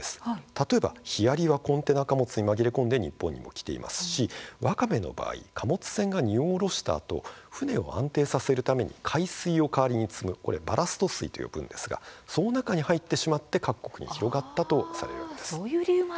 例えばヒアリはコンテナ貨物に紛れて日本に来ていますしわかめの場合、貨物船が荷を降ろしたあと船を安定させるために海水を代わりに積むバラスト水と言うんですがその中に入ってしまって各国に広がったとされています。